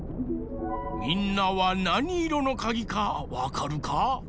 みんなはなにいろのかぎかわかるか？